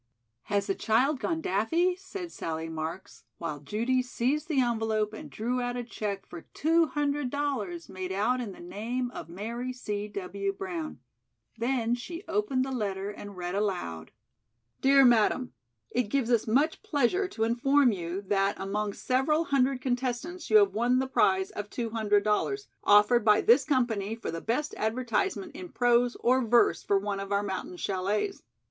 "Has the child gone daffy?" said Sallie Marks, while Judy seized the envelope and drew out a check for two hundred dollars made out in the name of "Mary C. W. Brown." Then she opened the letter and read aloud: "'Dear Madam: It gives us much pleasure to inform you that among several hundred contestants you have won the prize of $200, offered by this company for the best advertisement in prose or verse for one of our mountain chalets.